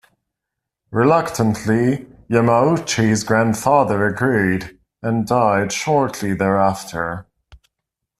Reluctantly, Yamauchi's grandfather agreed, and died shortly thereafter.